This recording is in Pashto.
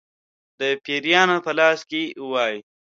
د پیرانو په لاس کې وای.